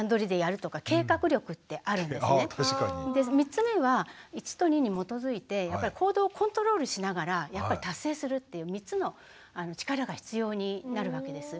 ３つ目は１と２に基づいて行動をコントロールしながら達成するっていう３つの力が必要になるわけです。